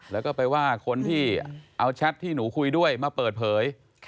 แล้วก็ไปว่าคนที่เอาแชทที่หนูคุยด้วยมาเปิดเผย